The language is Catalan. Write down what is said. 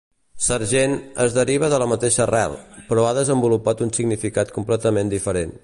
"Sergent" es deriva de la mateixa arrel, però ha desenvolupat un significat completament diferent.